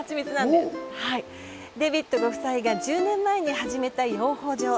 デビッドご夫妻が１０年前に始めた養蜂場。